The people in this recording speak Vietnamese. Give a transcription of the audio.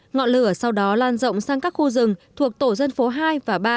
ngọn lửa sau đó lan rộng sang các khu rừng thuộc tổ dân phố hai và ba